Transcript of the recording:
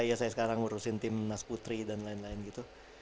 iya saya sekarang ngurusin tim nas putri dan lain lain gitu